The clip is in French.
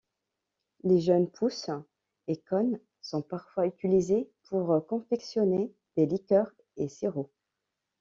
Les jeunes pousses et cônes sont parfois utilisés pour confectionner des liqueurs et sirops.